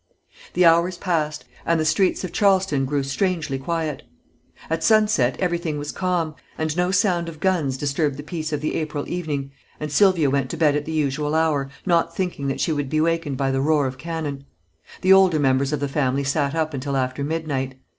The hours passed, and the streets of Charleston grew strangely quiet. At sunset everything was calm, and no sound of guns disturbed the peace of the April evening, and Sylvia went to bed at the usual hour, not thinking that she would be wakened by the roar of cannon. The older members of the family sat up until after midnight.